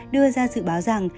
đưa ra dự báo rằng